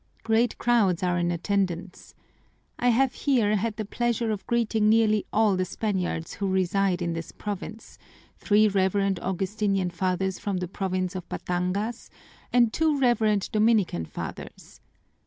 "Great crowds are in attendance. I have here had the pleasure of greeting nearly all the Spaniards who reside in this province, three Reverend Augustinian Fathers from the province of Batangas, and two Reverend Dominican Fathers.